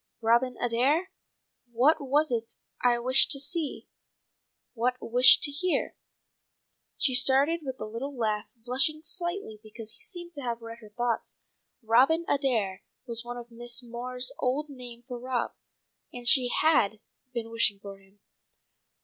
Robin Adair? What was 't I wished to see? What wished to hear?'" She started with a little laugh, blushing slightly because he seemed to have read her thoughts. "Robin Adair" was one of Mrs. Moore's old names for Rob, and she had been wishing for him.